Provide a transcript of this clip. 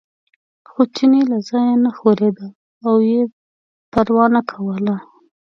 خو چیني له ځایه نه ښورېده او یې پروا نه کوله.